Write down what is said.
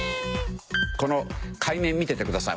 この海面見ててください。